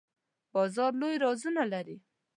باز لوی وزرونه لري